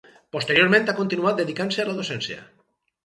Posteriorment ha continuat dedicant-se a la docència.